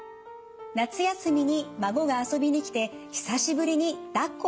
夏休みに孫が遊びに来て久しぶりに抱っこをしました。